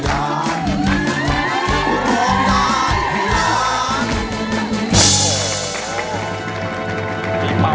สวัสดีค่ะ